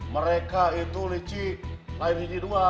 mereka itu cip lainnya dua